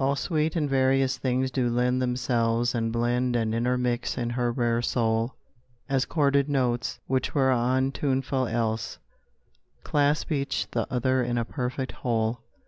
All sweet and various things do lend themselves And blend and intermix in her rare soul, As chorded notes, which were untuneful else, Clasp each the other in a perfect whole.